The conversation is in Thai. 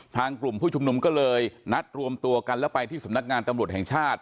กลุ่มผู้ชุมนุมก็เลยนัดรวมตัวกันแล้วไปที่สำนักงานตำรวจแห่งชาติ